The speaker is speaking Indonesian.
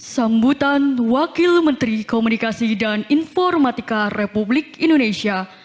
sambutan wakil menteri komunikasi dan informatika republik indonesia